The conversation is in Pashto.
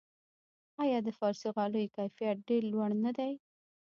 آیا د فارسي غالیو کیفیت ډیر لوړ نه دی؟